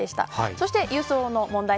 そして輸送の問題。